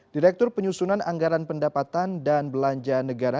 direktur penyusunan anggaran pendapatan dan belanja negara